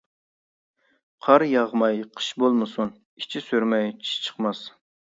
قار ياغماي قىش بولمىسۇن، ئىچى سۈرمەي چىش چىقماس.